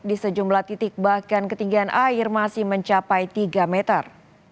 di sejumlah titik bahkan ketinggian air masih mencapai tiga meter